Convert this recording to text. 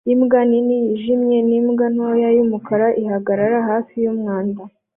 Imbwa nini yijimye nimbwa ntoya yumukara ihagarara hafi yumwanda